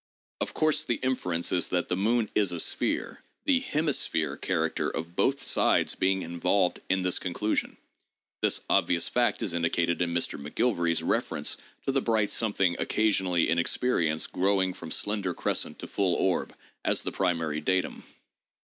Of course, the inference is that the moon is a sphere, the hemi sphere character of both sides being involved in this conclusion. This obvious fact is indicated in Mr. McGilvary's reference to the "bright something occasionally in experience growing from slender crescent to full orb as the primary datum.